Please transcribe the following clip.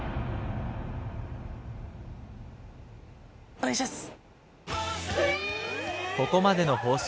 お願いします。